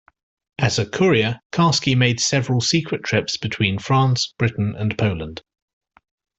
As a courier, Karski made several secret trips between France, Britain and Poland.